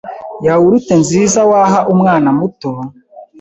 yawurute nziza waha umwana muto